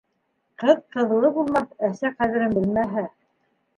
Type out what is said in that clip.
Ҡыҙ ҡыҙлы булмаҫ, әсә ҡәҙерен белмәһә